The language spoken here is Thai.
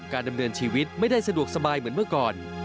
ดำเนินชีวิตไม่ได้สะดวกสบายเหมือนเมื่อก่อน